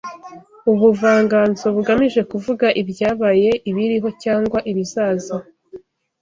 Ubuvanganzo bugamije kuvuga ibyabaye ibiriho cyangwa ibizaza